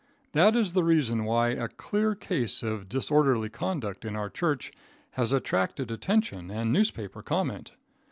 That is the reason why a clear case of disorderly conduct in our church has attracted attention and newspaper comment.